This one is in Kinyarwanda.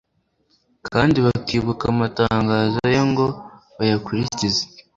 kandi bakibuka amatangazo ye ngo bayakurikize